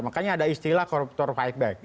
makanya ada istilah koruptor fight back